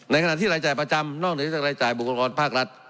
ในขณะที่รายแข่ย์ประจำนอกจากมีรายแข่ย์บุคลาตรภาครัฐ